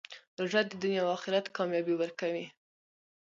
روژه د دنیا او آخرت کامیابي ورکوي.